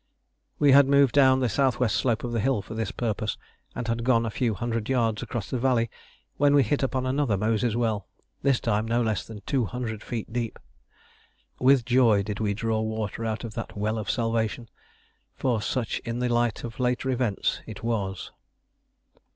We had moved down the S.W. slope of the hill for this purpose, and had gone a few hundred yards across the valley, when we hit upon another Moses' Well, this time no less than 200 feet deep. With joy did we draw water out of that well of salvation, for such in the light of later events it was.